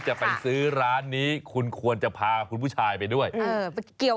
จะไปซื้อร้านนี้คุณควรจะพาคุณผู้ชายไปด้วย